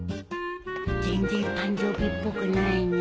全然誕生日っぽくないね。